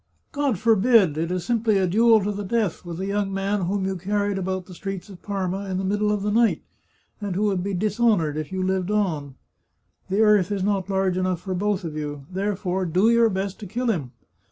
" God forbid ! It is simply a duel to the death, with a young man whom you carried about the streets of Parma in the middle of the night, and who would be dishonoured if you lived on. The earth is not large enough for both of you. Therefore do your best to kill him.